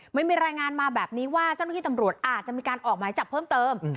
ไม่มีรายงานมาแบบนี้ว่าเจ้าหน้าที่ตำรวจอาจจะมีการออกหมายจับเพิ่มเติม